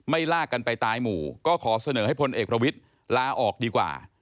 ลากกันไปตายหมู่ก็ขอเสนอให้พลเอกประวิทย์ลาออกดีกว่า